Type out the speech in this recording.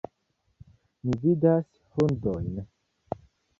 Mi vidas hundojn.